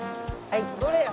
どれや？